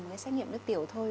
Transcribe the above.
một cái xét nghiệm nước tiểu thôi